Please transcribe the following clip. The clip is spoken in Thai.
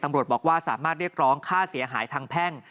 บอกว่าสามารถเรียกร้องค่าเสียหายทางแพ่ง